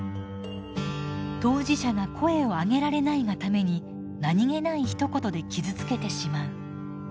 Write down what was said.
当事者が声をあげられないがために何気ないひと言で傷つけてしまう。